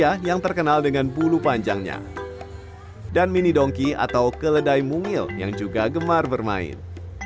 yang terkenal dengan bulu panjangnya dan mini dongki atau keledai mungil yang juga gemar bermain